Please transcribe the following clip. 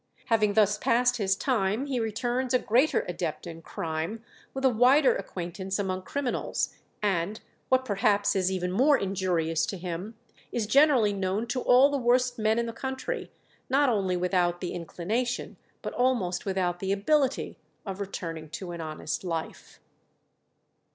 Having thus passed his time, he returns a greater adept in crime, with a wider acquaintance among criminals, and, what perhaps is even more injurious to him, is generally known to all the worst men in the country; not only without the inclination, but almost without the ability of returning to an honest life."